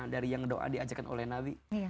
dari yang doa diajarkan oleh nabi